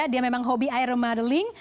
dia memang hobi iron madeling